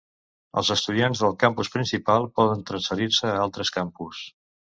Els estudiants del Campus Principal poden transferir-se a altres campus.